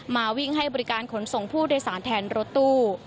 มาวิ่งให้บริการขนส่งผู้โดยสารแทนรถตู้